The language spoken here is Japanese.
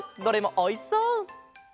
どれもおいしそう！